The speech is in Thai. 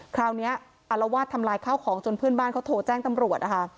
คราวนี้อารวาสทำลายข้าวของจนเพื่อนบ้านเขาโทรแจ้งตำรวจนะคะ